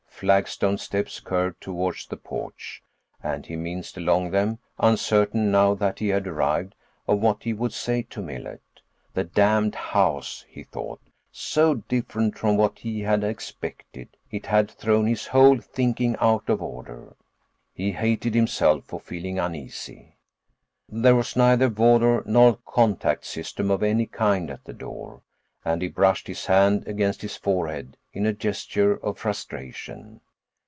Flagstone steps curved toward the porch, and he minced along them, uncertain, now that he had arrived, of what he would say to Millet. The damned house, he thought—so different from what he had expected; it had thrown his whole thinking out of order. He hated himself for feeling uneasy. There was neither vodor nor contact system of any kind at the door, and he brushed his hand against his forehead in a gesture of frustration.